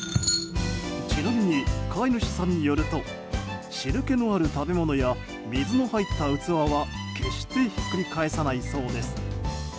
ちなみに、飼い主さんによると汁気のある食べ物や水の入った器は、決してひっくり返さないそうです。